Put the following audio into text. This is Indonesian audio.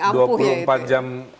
dia panik dua puluh empat jam